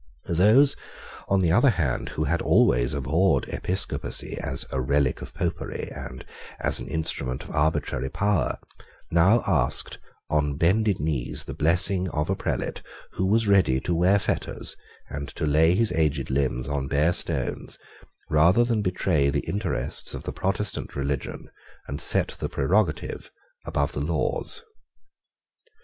Those, on the other hand, who had always abhorred episcopacy, as a relic of Popery, and as an instrument of arbitrary power, now asked on bended knees the blessing of a prelate who was ready to wear fetters and to lay his aged limbs on bare stones rather than betray the interests of the Protestant religion and set the prerogative above the laws.